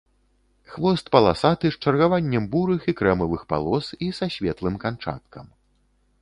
Хвост паласаты з чаргаваннем бурых і крэмавых палос і са светлым канчаткам.